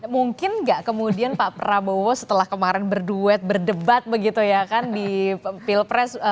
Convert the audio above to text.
mungkin nggak kemudian pak prabowo setelah kemarin berduet berdebat begitu ya kan di pilpres